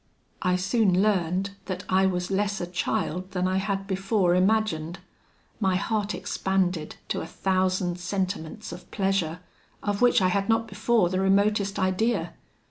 "I soon learned that I was less a child than I had before imagined. My heart expanded to a thousand sentiments of pleasure, of which I had not before the remotest idea.